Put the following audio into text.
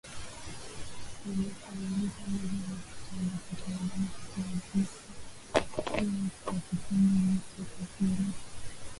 uliokamilika mwezi uliopita Endapo atadumu katika wadhifa huo kwa kipindi chote cha pili cha